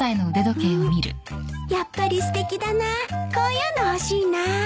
やっぱりすてきだなこういうの欲しいなあ